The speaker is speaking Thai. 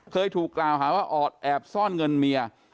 เคยถูกกล่าวหาว่าออดแอบซ่อนเงินเมีย